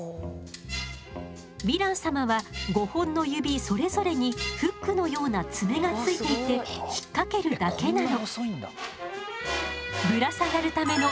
ヴィラン様は５本の指それぞれにフックのような爪がついていて引っ掛けるだけなの。